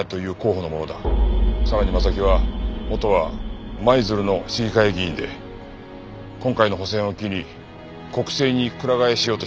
さらに真崎は元は舞鶴の市議会議員で今回の補選を機に国政にくら替えしようとしてる男だ。